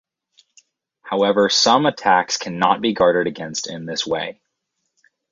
However, some attacks cannot be guarded against in this way.